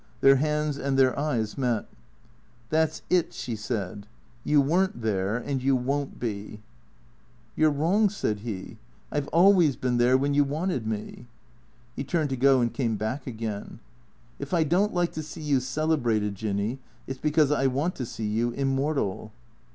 Their hands and their eyes met. " That 's it," she said, " you were n't there, and you won't be." T H E C R E A T 0 R S 125 ''You're wrong," said he, " I 've always been there when you wanted me." He turned to go and came back again. " If I don't like to see you celebrated, Jinny, it 's because I want to see you immortal."